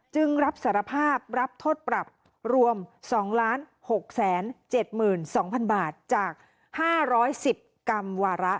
จึงรับสารภาพรับทดปรับรวมสองล้านหกแสนเจ็ดหมื่นสองพันบาทจากห้าร้อยสิบกรรมวาระ